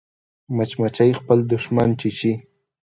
مچمچۍ خپل دښمن چیچي